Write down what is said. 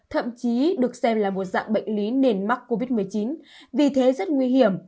thậm chí được xem là một dạng bệnh lý nền mắc covid một mươi chín vì thế rất nguy hiểm